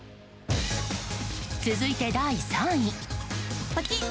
続いて第３位。